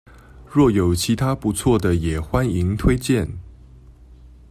若有其他不錯的也歡迎推薦